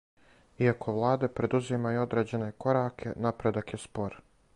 Иако владе предузимају одређене кораке, напредак је спор.